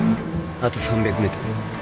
あと３００メートル